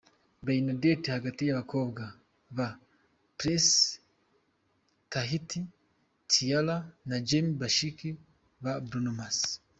Bernadette hagati y'abakobwa be Presley, Tahiti, Tiara na Jamie bashiki ba Bruno Mars.